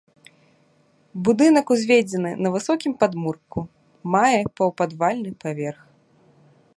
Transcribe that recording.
Будынак узведзены на высокім падмурку, мае паўпадвальны паверх.